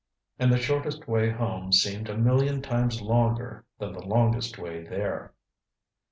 And the shortest way home seemed a million times longer than the longest way there.